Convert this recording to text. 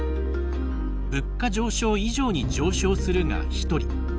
「物価上昇以上に上昇する」が１人。